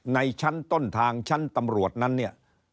ในชั้นต้นทางชั้นตำรวจนั้นเนี่ย